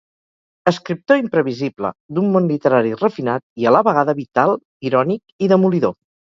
Escriptor imprevisible, d'un món literari refinat i, a la vegada, vital, irònic i demolidor.